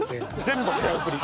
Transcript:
全部早送り。